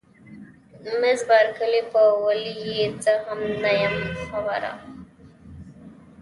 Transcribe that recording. مس بارکلي: په ولې یې زه هم نه یم خبره، ګناه زما وه.